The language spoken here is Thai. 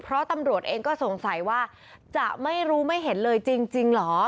เพราะตำรวจเองก็สงสัยว่าจะไม่รู้ไม่เห็นเลยจริงเหรอ